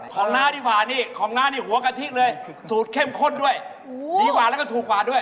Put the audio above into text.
น้าดีกว่านี่ของน้านี่หัวกะทิเลยสูตรเข้มข้นด้วยดีกว่าแล้วก็ถูกกว่าด้วย